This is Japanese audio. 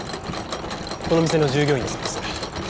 この店の従業員だそうです。